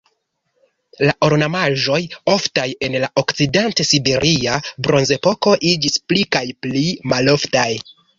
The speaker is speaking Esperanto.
La ornamaĵoj oftaj en la Okcident-Siberia Bronzepoko iĝis pli kaj pli maloftaj.